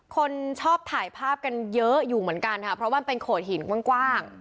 คนชอบถ่ายภาพกันเยอะอยู่เหมือนกันค่ะเพราะมันเป็นโขดหินกว้าง